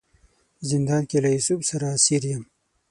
په زندان کې له یوسف سره اسیر یم.